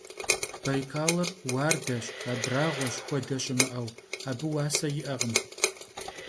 Baykalır vuardeş, abrağueş, xuede şımı'eu, abı vuase yi'ekhım.